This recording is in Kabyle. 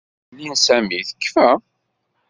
Tilelli n Sami tekfa.